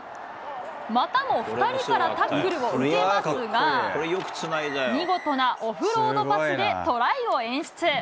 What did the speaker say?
またも２人からタックルを受けますが、見事なオフロードパスでトライを演出。